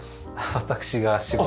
私が仕事。